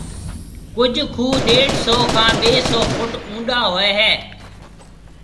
ڪجھ کوھ ڏيڍ سئو کان ٻَي سئو فٽ اونڏا ھوئيَ ھيََََ